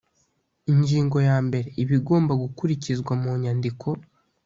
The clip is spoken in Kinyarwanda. Ingingo ya mbere Ibigomba gukurikizwa munyandiko